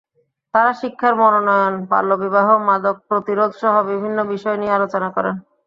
তাঁরা শিক্ষার মানোন্নয়ন, বাল্যবিবাহ, মাদক প্রতিরোধসহ বিভিন্ন বিষয় নিয়ে আলোচনা করেন।